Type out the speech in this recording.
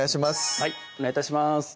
はいお願い致します